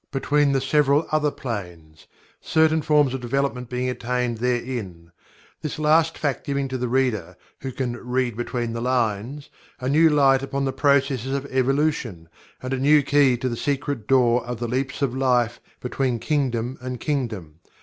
between the several other planes, certain forms of development being attained therein this last fact giving to the reader who can "read between the lines" a new light upon the processes of Evolution, and a new key to the secret door of the "leaps of life" between kingdom and kingdom.